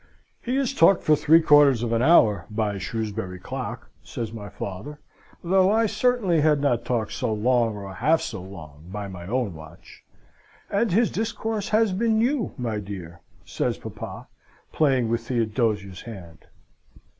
"'He has talked for three quarters of an hour by Shrewsbury clock,' says my father, though I certainly had not talked so long or half so long by my own watch. 'And his discourse has been you, my dear,' says papa, playing with Theodosia's hand.